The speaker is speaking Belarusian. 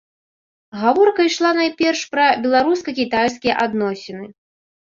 Гаворка ішла найперш пра беларуска-кітайскія адносіны.